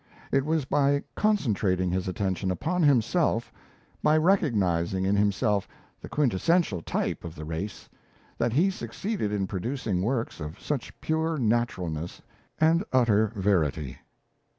It was by concentrating his attention upon himself, by recognizing in himself the quintessential type of the race, that he succeeded in producing works of such pure naturalness and utter verity.